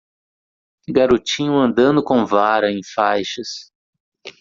garotinho andando com vara em faixas